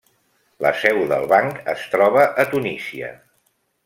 La seu del banc es troba a Tunísia.